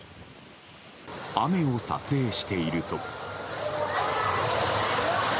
雨を撮影していると。